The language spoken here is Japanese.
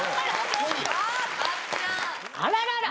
あららら